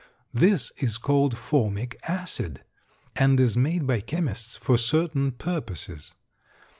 This is called formic acid, and is made by chemists for certain purposes.